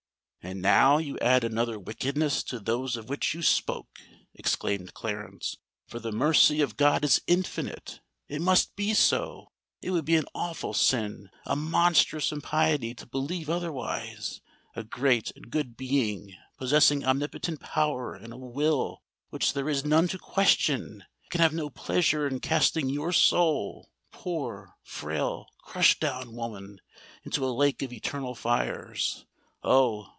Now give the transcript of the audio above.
"And now you add another wickedness to those of which you spoke," exclaimed Clarence: "for the mercy of God is infinite! It must be so—it would be an awful sin, a monstrous impiety to believe otherwise! A great and good Being, possessing omnipotent power and a will which there is none to question, can have no pleasure in casting your soul—poor, frail, crushed down woman!—into a lake of eternal fires! Oh!